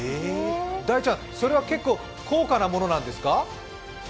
大ちゃん、それは結構、高価なものなんですか？